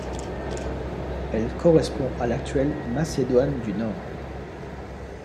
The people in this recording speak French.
Elle correspond à l'actuelle Macédoine du Nord.